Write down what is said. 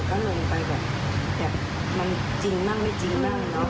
ตรงนี้เองภาษาอินเวศ